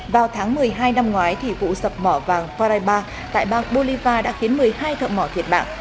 vào tháng một mươi hai năm ngoái vụ sập mỏ vàng fraiba tại bang bolivar đã khiến một mươi hai thợ mỏ thiệt mạng